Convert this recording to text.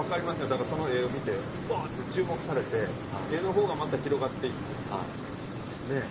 だからその絵を見てわって注目されて絵のほうがまた広がっていってねえ。